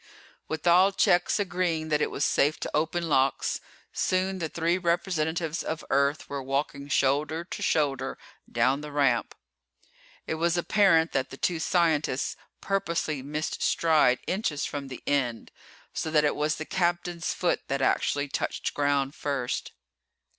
With all checks agreeing that it was safe to open locks, soon the three representatives of Earth were walking shoulder to shoulder down the ramp. It was apparent that the two scientists purposely missed stride inches from the end, so that it was the Captain's foot that actually touched ground first.